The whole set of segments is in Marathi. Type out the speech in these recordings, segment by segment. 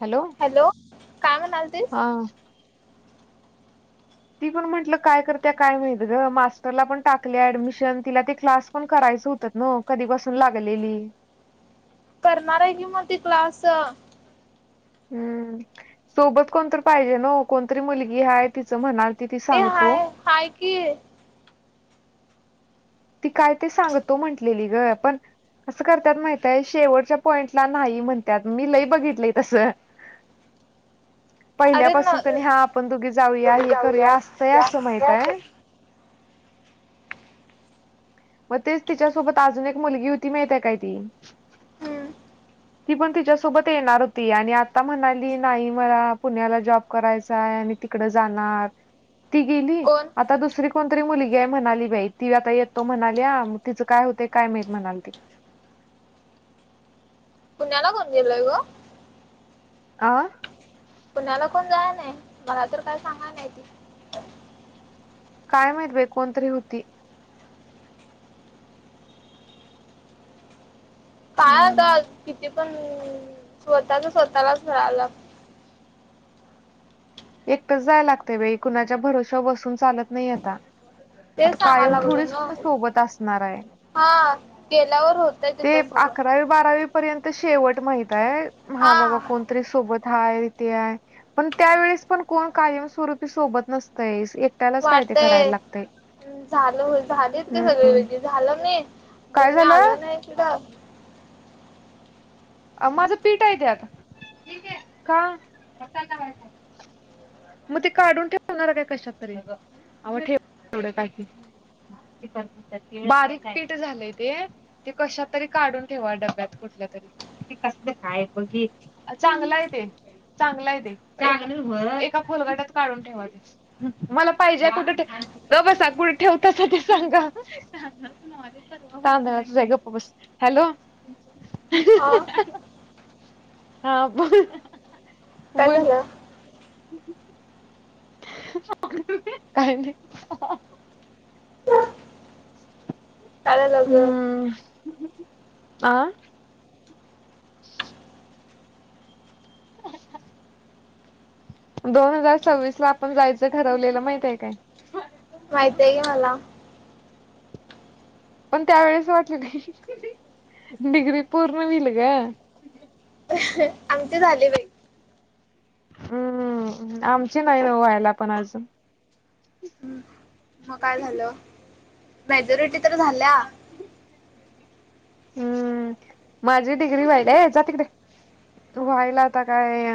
हॅलो हॅलो काय म्हणाल ते हा ती पण म्हंटलं काय करत्या काय माळत ग मास्टरला पण टाकल्या ऍडमिशन तिला ते क्लास पण करायचं होतं न कधी बसून लागलेली. करणार आहे की मग ते क्लास हम्म सोबत कोणत पाहिजे न कोणतरी मुलगी आहे तिचं म्हणाल. ती ती ए सांगतो हाय हाय कि ती काय ते सांगतो म्हटलेली ग पण कसं करतात माहितय शेवटच्या पॉईंटला नाही म्हणतात मी लय बघितलीय तसं. [inaudible] अरे न पहिल्यापासून कणी हा आपण दोघी जाऊया हे करूया असतंय असं माहितय [unintelligible] मग तेच तिच्यासोबत अजून एक मुलगी होती माहतीय काय ती? हम्म ती पण तिच्यासोबत येणार होती आणि आता म्हणाली नाही मला पुण्याला जॉब करायचाय आणि तिकड जाणार ती गेली. कोण आता दुसरी कोणतरी मुलगी आहे म्हणाली बाई ती आता येतो म्हणा या तिचं काय होते काय माहीत म्हणाली ती. पुण्याला कोन गेलय गं? आ. पुण्याला कोण जाय ना मला तर काय सांगा नाही ती. काय माहिती बाई कोणतरी होती. काय हम्म आता किती पण स्वतःच स्वतःलाच [unintelligible] एकटंच जाय लागते वेळी कुणाच्या भरोश्यावर बसून चालत नाही आता. ते आता सांगा कायम लागलो थोडीच ना सोबत असणार आहे. हा गेल्यावर होतय त ते तस. अकरावी बारावी पर्यंत शेवट माहित आहे हा बाबा कोण? सोबत हाय ते आहे पण त्यावेळेस पण कोण कायमस्वरूपी सोबत नसतय. वाटतय झालं हो झालीत ते हम्म सगळे वेगळे. झालं नाही काय तुम्ही आल झालं नाही सुधा माझं पीठ आहे त्यात का? मग ते काढून ठेवणार काय कशापरी ठेव एवढं काय ते बारीक पीठ झालंय ते. ते कशात तरी काढून ठेवा डब्यात कुठल्या तरी कस ते काय बघी चांगलं आहे ते चांगला आहे ते चांग एका फलगटात काढून ठेवा ते मला पाहिजे कुठेे बसा कुठे ठेवता अस ते सांगा. तांदळातच आहे गप्प बस हॅलो. हो. हा बोल. काय बोल झालं? [inaudible] काही नाही. काय झालं ग? हम्म आ! दोन हजार सव्वीस ला आपण जायचं ठरवलेलं माहित आहे काय? माहितय की मला. पण त्यावेेळेस वाटल नाही डिग्री पूर्ण होईल गं. आमचे झाली बाई. हम्म आमची नाही ना व्हायला पण अजून. हम्म. मग काय झालं मेजोरिटी तर झाल्या. हम्म माझी डिग्री व्हायला जा तिकडे व्हायला आता काय?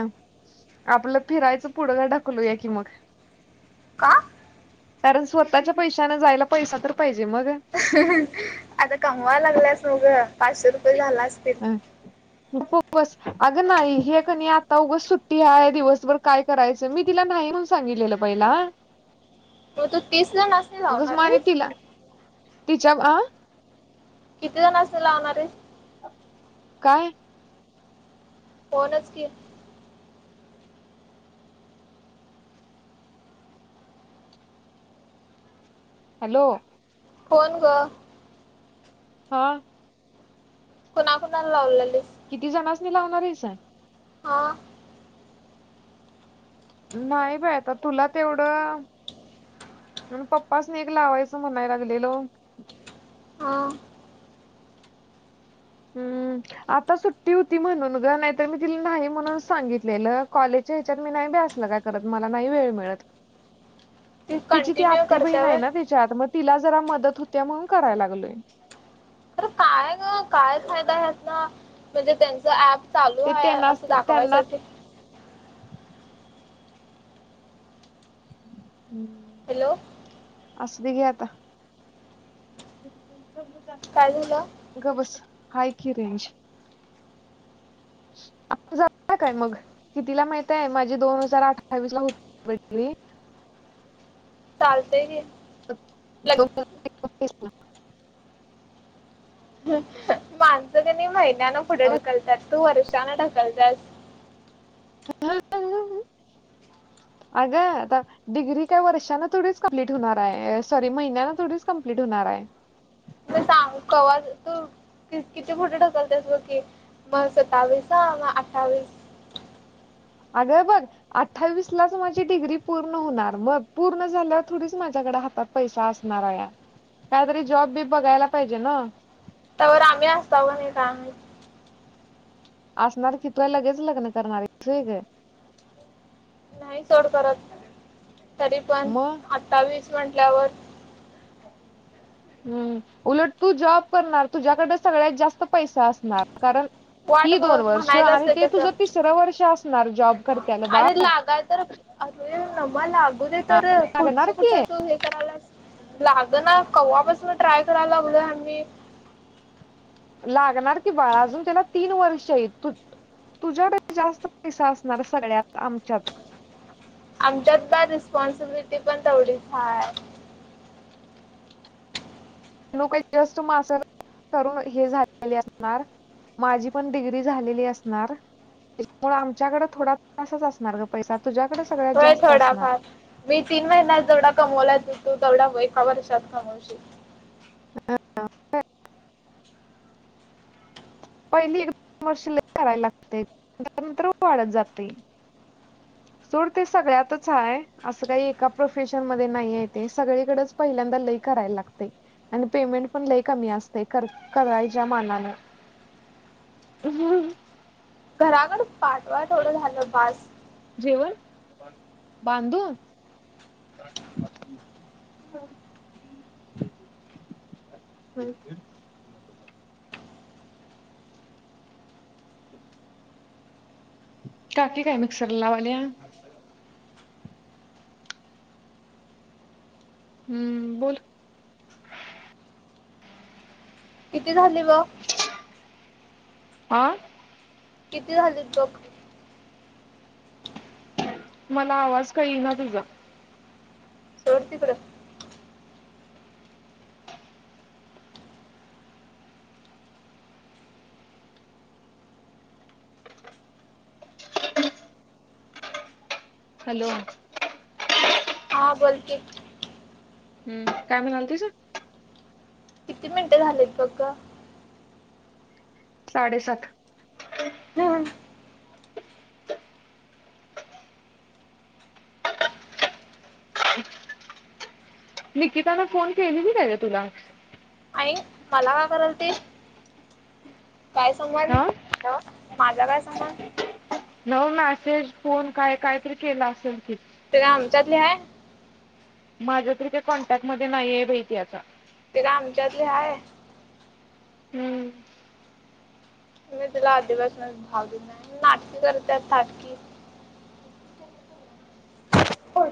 आपलं फिरायचं पुढं का ढकलू या की मग. का? कारण, स्वतःच्या पैशाने जायला पैसा तर पाहिजे मग. आता कमवा लागल्यास मग, पाचशे रुपये झाले असतील. [unintelligible] अगं नाही, हे कनयं आता उगचं सुट्टी आहे, दिवसभर काय करायचं मी तिला नाही, म्हणून सांगितलेलं पहिला. [inaudible] तीस जणांसनी उगच म लावणार आणि आहेस तिला तिच्या अ किती जणांसनी लावणार हायसं? काय? फोनचं की? हॅलो! फोन गं. हा. कुणा कुणाला लावलेलीस? किती जणासनी लावणार आहेस? हा. नाही बाय आता तुला तेवढं म पप्पासनी एक लावायचं म्हणाय लागलेलो. हा. [unintelligible] हम्म आता सुट्टी होती म्हणून गं, नाहीतर मी तिला नाही म्हणून सांगितलेलं कॉलेज हेच्यात मी नाही बय असलं काय करत, मला नाही वेळ मिळत. ती कंटिन्यू करत्या होय? त्यात मग तिला जरा मदत होत्या, म्हणून करायं लागलोय. खरं काय ग काय फायदा ह्यातनं, म्हणजे त्यांच ऍप चालू ते आहे त्यांना असं त्यांना दाखवायसाठी हम. हॅलो! असुदे घे आता. [unintelligible] तेच्या ग्रुप काय झाल? गं बस हाय, कि रेंज. आपण जाऊया काय मग, कितीला माहित आहे माझी दोन हजार अठ्ठावीस ला होती डिग्री. चालतेय घे. [unintelligible] तीथ क नी महिन्यान पुढे ढकलत्यात, तू वर्षानं ढकलत्यास. हा [unintelligible] [inaudible] आगं डिग्री काय वर्षान थोडीच कंप्लीट होणार हाय, सॉरी महिन्याला थोडीच कंप्लीट होणार हाय. तवाज तू. किती पुढं ढकलत्यास ब की, मग सत्तावीस, मग अठावीस आगं बघ. अठ्ठावीस लाच माझी डिग्री पूर्ण होणार, मग पूर्ण झाल्यावर थोडीच माझ्याकडे हातात पैसा असणार हाया, काहीतरी जॉब बीब बघायला पाहिजे न्हव. त्यावर आम्ही असताव कणी सांग. असणार की, तू काय लगेच लग्न करणार हायीस व्हय ग. नाही सोड करत, तरी पण मग अठावीस म्हटल्यावर हूम्म उलट तू जॉब करणार, तुझ्याकडे सगळ्यात जास्त पैसा असणार, कारण वाट ही ब दोन वर्ष म्हणायचं आणि असते ते तुझं तसं तिसरं वर्ष असणार जॉब करत्याला बाळ आगं नमा लागू दे हा तर, लागणार पुढचं कुठ की तू हे करायल्यास. लागलं ना कव्हापासून ट्राय करायला लागलं आही लागणार ती बाळ अजून त्याला तीन वर्ष य तुझ्याकडे जास्त पैसा असणार सगळ्यात आमच्यात आमच्यातला रिस्पॉन्सिबिलिटी पण तेवढच आहे लोक जस्ट मासर करून हे झालेले असणार माझी पण डिग्री झालेली असणार आमच्याकडें थोडा तासच असणार ग पैसा तुझ्याकडे सगळ्यात होय जास्त असणार थोडाफार मी तीन महिन्यात जेवढा कमवलाचेतो तेवढा एका वर्षात कमवशील हा पहिली एक कमर्शिल करायला लागते त्यानंतर वाढत जाते [unintelligible] सोड ते सगळ्यातच आहे असं काही एका प्रोफेशन मध्ये नाही आहे ते सगळीकडेच पहिल्यांदा लय करायला लागते आणि पेमेंट पण लय कमी असते करायच्या मानान हम्म घराकड पाठवा थवडं झालं भास जेवण बांध बांधू [unintelligible] [inaudible] [unintelligible] काकी काय मिक्सर ला लावाल्या हम्म बोल किती झाली बग हा किती झाली बघ मला आवाज कही येईना तुझा सोड तिकडं हॅलो हा बोल की हम्म काय म किती मिनिटे झालेत बघ ग साडेसात नाही निकितानं फोन केलेली काय ग तुला आणि मला का कराल ती काय हा संबंध माझा काय संबंध नव मेसेज फोन काय कायतरी केला असेल त ते काम आमच्यातली आहेय माझ्या तरी कॉन्टॅक्ट मध्ये नाहीये बाई ती आता ते काय आमच्यातले हाय हम्म मी तुला आधिवासन भाव घला नाटक करतय नाटकी हो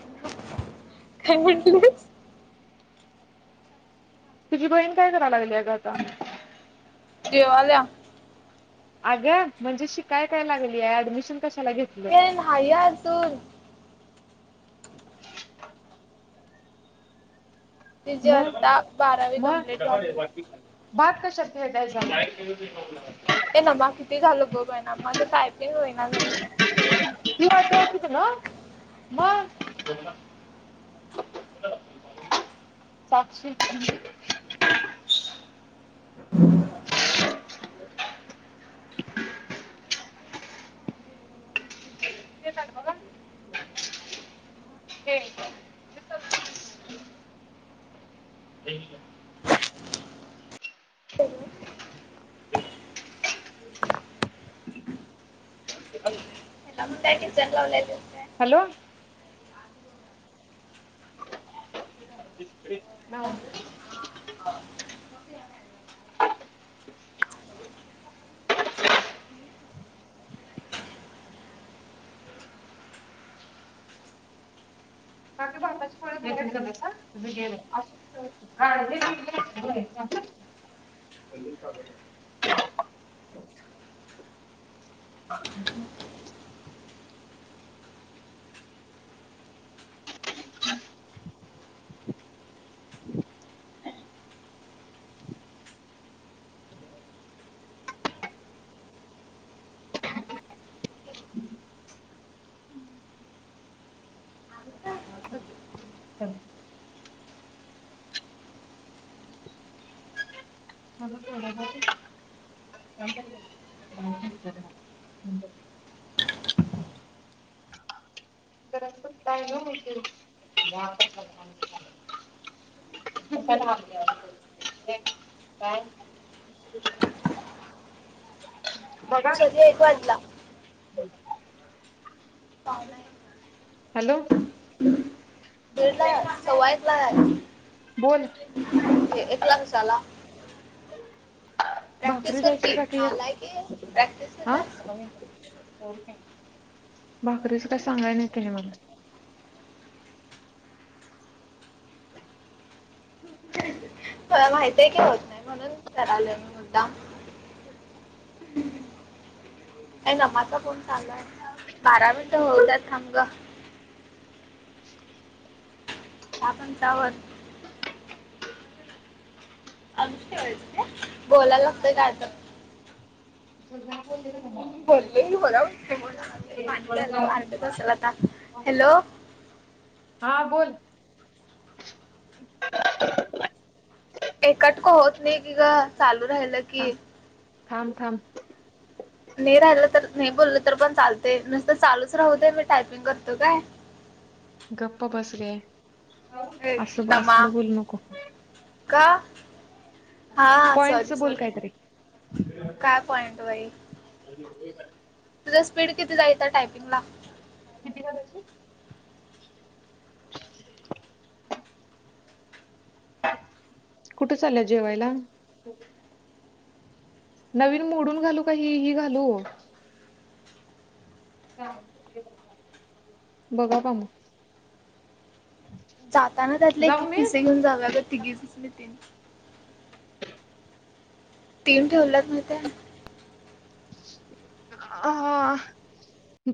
काय म्हटलीस तुझी बहीण काय कराय लागली आहे का आता जेवायला या अग्या म्हणजे शिकाय काय लागली आहे ऍडमिशन कशाला घेतली ये नाही अजून [unintelligible] तिची मग आता [inaudible] बारावी कंप्लीट झाली. भात कशात घ्यायचा आहे ते ना मग किती झालं बघ आहे ना माझे टायपिंग होईना झाले त वाट त ना म साक्षी हम्म तेच आहे बघा हे का? एक कोणता पिक्चर लावलाय ग? हॅलो ना अस ह मग तेवढ ह ठीक आहे म्हणजे काा होतील बा खुबण आ्या काय बघा सधळ एक वाटला पालं हॅलो सवयच लागली बोल एक लाख झाला प्रॅक्टिस भाकरी कर द्यायची की बाकी.... नालायक की प्रॅक्टिस आ... केल्यास काय माहिती भाकरीच काय सांगितलं नाही ते मला मला माहितीय की होत नाही म्हणून करा आले मी मुद्दाम नमाचा फोन चालू आहे. बारा मिनिट होऊ दे थांब ग आपण सावर अ बोलायला लागतंय का आता बोलले पाणी जायचं ओरडत असेल आता हॅलो हा बोल एकटक होत नाही की ग चालू राहिल की थां- थां नाही राहिलं तर नाही बोललं तर पण चालत नुसतं चालूच राहू दे मी टायपिंग करतो काय गप्प बस गे ए, असं नमा असलं बोलू नकॊ का हा पॉइंटच सॉरी- बोल सॉरी काहीतरी काय पॉइंट बाई अ तुझ्या स्पीड किती जायच टायपिंग ला कितीची कुठं चालय जेवायला नवीन मोडून घालू काही ही घालू बघा का मग जाताना त्यातले एक जाऊ एक मी पिसे घेऊन जाऊया ग तिघी ना तीन दिसले त तीन ठेवलेत मी ते अ